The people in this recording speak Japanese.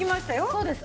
そうです。